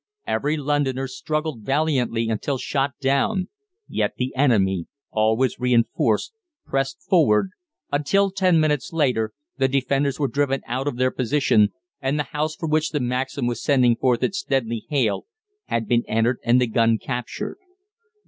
Every Londoner struggled valiantly until shot down; yet the enemy, always reinforced, pressed forward, until ten minutes later, the defenders were driven out of their position, and the house from which the Maxim was sending forth its deadly hail had been entered and the gun captured.